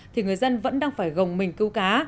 thì người dân vẫn đang phải gồng mình cứu cá